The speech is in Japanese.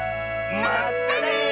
まったね！